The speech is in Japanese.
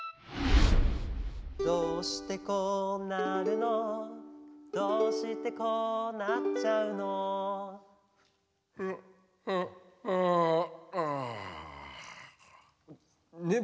「どうしてこうなるのどうしてこうなっちゃうの」ね